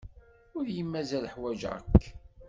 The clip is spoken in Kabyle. Ur iyi-mazal ḥwajeɣ-k.